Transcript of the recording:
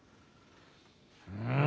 うん。